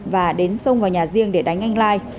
và đến xông vào nhà riêng để đánh anh lai